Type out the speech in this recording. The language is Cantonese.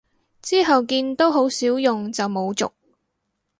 之後見都好少用就冇續